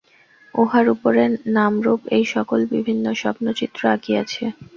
উহার উপরে নাম-রূপ এই-সকল বিভিন্ন স্বপ্নচিত্র আঁকিয়াছে।